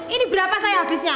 ini berapa saya habisnya